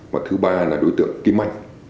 và thứ ba là đối tượng kim anh